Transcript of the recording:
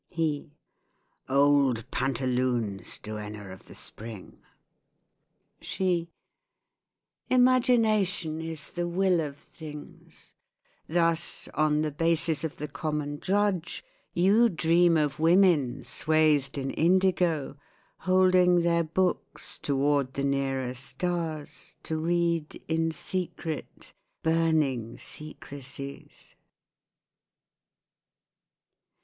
He Old pantaloons, duenna of the spring! She Imagination is the will of things .... Thus, on the basis of the common drudge. You dream of women, swathed in indigo. Holding their books toward the nearer stars. To read, in secret, burning secrecies